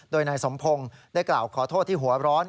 โดยนายสมพงศ์ได้กล่าวขอโทษที่หัวร้อน